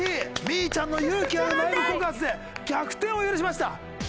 みぃちゃんの勇気ある内部告発で逆転を許しました。